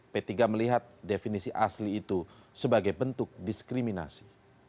p tiga melihat definisi asli itu sebagai bentuk diskriminasi